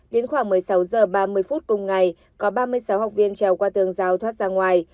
đến khoảng một mươi sáu h ba mươi phút cùng ngày có ba mươi sáu học viên trèo qua tường rào thoát ra ngoài